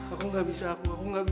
aku gak bisa aku